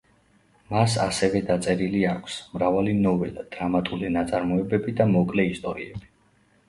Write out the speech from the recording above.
მას ასევე დაწერილი აქვს: მრავალი ნოველა, დრამატული ნაწარმოებები და მოკლე ისტორიები.